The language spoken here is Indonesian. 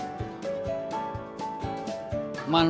mereka juga punya kegiatan yang sangat penting